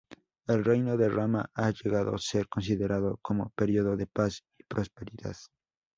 El reino de Rama ha llegado ser considerado como periodo de paz y prosperidad.